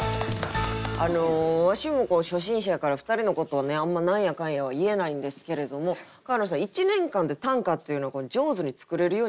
あのわしも初心者やから２人のことをねあんま何やかんやは言えないんですけれども川野さん１年間で短歌っていうのは上手に作れるようになるもんですか？